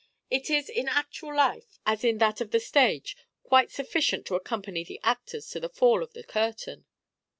"It is in actual life, as in that of the stage, quite sufficient to accompany the actors to the fall of the curtain."